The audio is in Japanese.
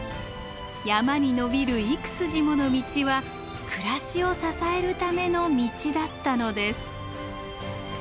山に延びる幾筋もの道は暮らしを支えるための道だったのです。